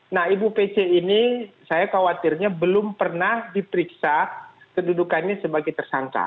nah ibu pc ini saya khawatirnya belum pernah diperiksa kedudukannya sebagai tersangka